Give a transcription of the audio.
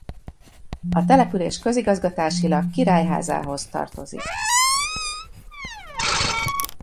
A település Közigazgatásilag Királyházához tartozik.